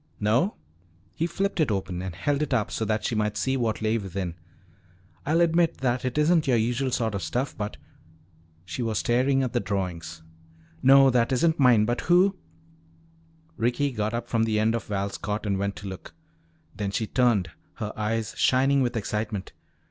"No?" He flipped it open and held it up so that she might see what lay within. "I'll admit that it isn't your usual sort of stuff, but " She was staring at the drawings. "No, that isn't mine. But who " Ricky got up from the end of Val's cot and went to look. Then she turned, her eyes shining with excitement.